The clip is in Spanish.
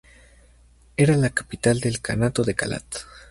Era la capital del kanato de Kalat.